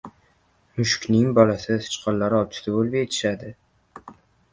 • Mushukning bolasi sichqonlar ovchisi bo‘lib yetishadi.